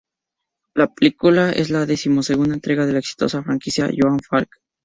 La película es la decimosegunda entrega de la exitosa franquicia "Johan Falk".